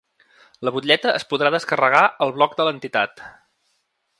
La butlleta es podrà descarregar al blog de l’entitat.